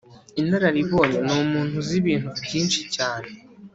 inararibonye ni umuntu uzi ibintu byinshi cyane